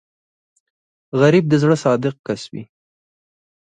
غریب د زړه صادق کس وي